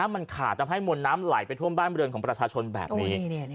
มันขาดทำให้มวลน้ำไหลไปท่วมบ้านบริเวณของประชาชนแบบนี้